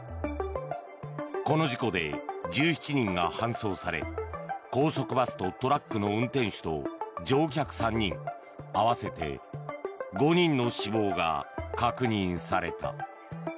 この事故で、１７人が搬送され高速バスとトラックの運転手と乗客３人、合わせて５人の死亡が確認された。